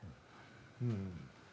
うん。